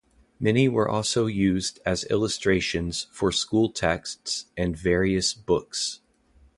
Many were also used as illustrations for school texts and various other books.